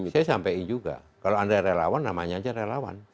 saya sampaikan juga kalau anda relawan namanya aja relawan